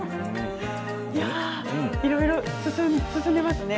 いろいろ進んでますね。